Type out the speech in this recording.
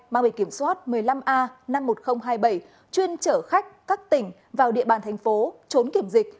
mang biển kiểm soát một mươi năm a năm mươi một nghìn hai mươi bảy chuyên chở khách các tỉnh vào địa bàn thành phố trốn kiểm dịch